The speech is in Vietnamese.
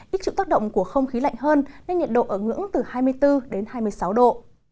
ít chịu tác động của không khí lạnh hơn nên nhiệt độ ở ngưỡng từ hai mươi bốn đến hai mươi sáu độ